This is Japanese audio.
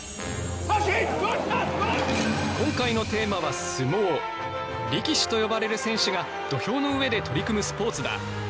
今回の力士と呼ばれる選手が土俵の上で取り組むスポーツだ。